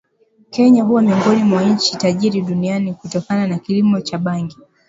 Kenya kuwa miongoni mwa nchi tajiri duniani kutokana na kilimo cha bangi